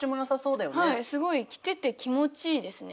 はいすごい着てて気持ちいいですね。